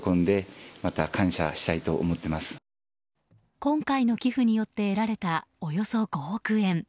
今回の寄付によって得られたおよそ５億円。